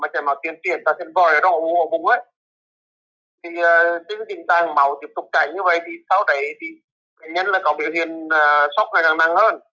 thì tính tình trạng máu tiếp tục chảy như vậy thì sau đấy thì nhân là có biểu hiện sốc này càng năng hơn